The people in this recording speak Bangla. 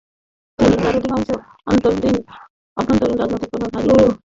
তিনি তার অধিকাংশ অভ্যন্তরীণ রাজনৈতিক প্রভাব হারিয়ে ফেলেন।